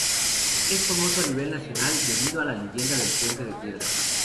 Es famoso a nivel nacional debido a la leyenda de Puente de Piedra.